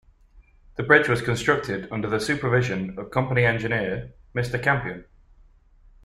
The bridge was constructed under the supervision of the company engineer, Mr. Campion.